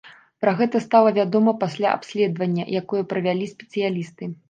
Пра гэта стала вядома пасля абследавання, якое правялі спецыялісты.